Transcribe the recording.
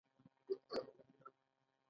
چک ولسوالۍ بریښنا لري؟